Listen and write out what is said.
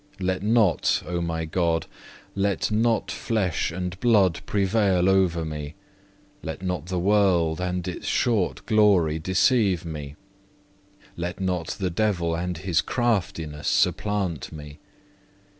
Let not, O my God, let not flesh and blood prevail over me, let not the world and its short glory deceive me, let not the devil and his craftiness supplant me.